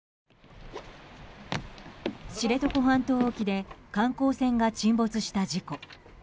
知床半島沖で観光船が沈没した事故。